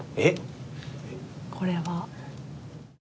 これは。